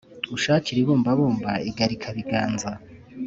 , unshakire ibumbabumba igarikabiganza.